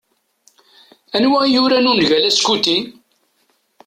Anwa i yuran ungal Askuti?